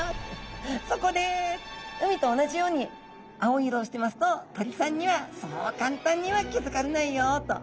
そこで海と同じように青い色をしてますと鳥さんにはそう簡単には気付かれないよっと。